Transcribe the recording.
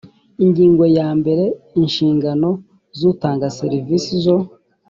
ingingo yambere inshingano z utanga serivisi zo